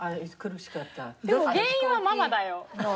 でも原因はママだよ。